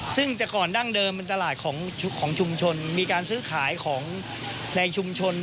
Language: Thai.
ซึ่งจากก่อนดั้งเดิมเป็นตลาดของชุมชนมีการซื้อขายของในชุมชน